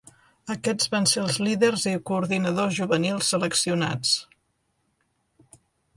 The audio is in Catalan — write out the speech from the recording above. Aquests van ser els líders i coordinadors juvenils seleccionats.